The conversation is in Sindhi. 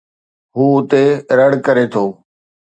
هو اتي رڙ ڪري ٿو